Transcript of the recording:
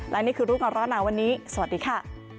และนี่คือรูปของเราละนะวันนี้สวัสดีค่ะ